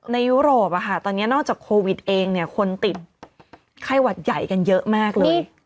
ยุโรปตอนนี้นอกจากโควิดเองคนติดไข้หวัดใหญ่กันเยอะมากเลย